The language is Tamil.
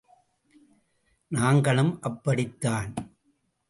நாங்களும் அப்படித் தான்.